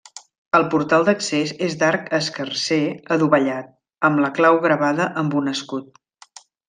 El portal d'accés és d'arc escarser adovellat, amb la clau gravada amb un escut.